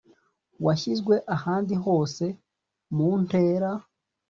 washyizwe ahandi hose muntera